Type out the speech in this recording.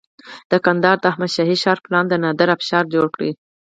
د کندهار د احمد شاهي ښار پلان د نادر افشار جوړ کړ